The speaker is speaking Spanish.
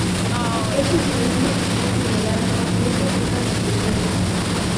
Ese silencio sublime del alma ofrece rica recompensa'".